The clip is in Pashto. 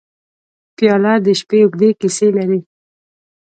پیاله د شپې اوږدې کیسې لري.